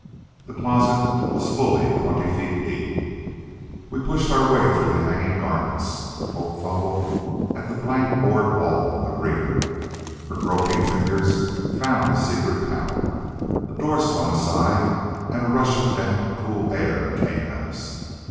The closet was fully twenty feet deep. We pushed our way through the hanging garments. Hope fumbled at the blank board wall in the rear. Her groping fingers found a secret panel. A door swung aside and a rush of dank cool air came at us.